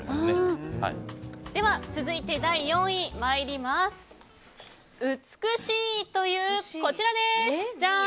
続いて第４位美しいというこちら。